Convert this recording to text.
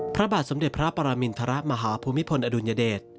พระบาทสมเด็จพระปรมินทรมาฮภูมิพลอดุลยเดช